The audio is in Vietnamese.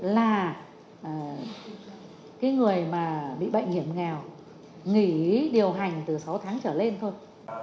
là cái người mà bị bệnh hiểm nghèo nghỉ điều hành từ sáu tháng trở lên thôi